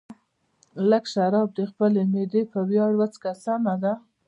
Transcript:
لږ شراب د خپلې معدې په ویاړ وڅښه، سمه ده.